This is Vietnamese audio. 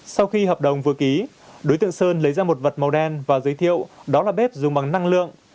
sau khi hợp đồng vừa ký đối tượng sơn lấy ra một vật màu đen và giới thiệu đó là bếp dùng bằng năng lượng